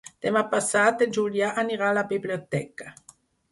Demà passat en Julià anirà a la biblioteca.